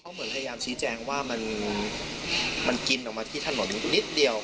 เหมือนพยายามชี้แจงว่ามันกินออกมาที่ถนนนิดเดียว